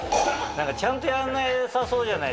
ちゃんとやんなさそうじゃない。